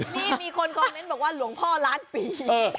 นี่มีคนคอมเมนต์บอกว่าหลวงพ่อล้านปี